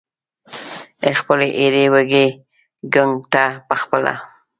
خپلې ایرې وړي ګنګ ته پخپله